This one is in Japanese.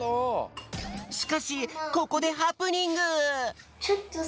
しかしここでハプニング！